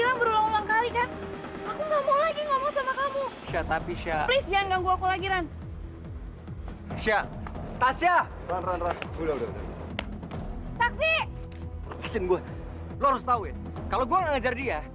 lu harus tau ya kalaystem apa lainnya misalnya aku ga mau lagi ngomong sama kamu tapi siapa sih si yeah nett sort walaupun gua ga ngedel frauen gua ga nginjal dia